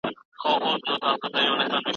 ایا ته په خپله موضوع کي کوم بل علمي ماخذ لري؟